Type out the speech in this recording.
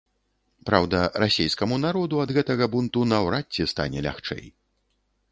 Праўда, расейскаму народу ад гэтага бунту наўрад ці стане лягчэй.